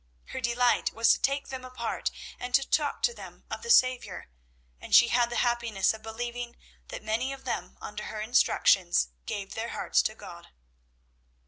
Her delight was to take them apart and to talk to them of the Saviour, and she had the happiness of believing that many of them under her instructions gave their hearts to God.